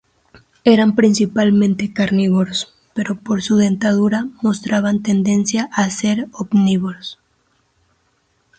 Eran principalmente carnívoros, pero por su dentadura mostraban tendencia a ser omnívoros.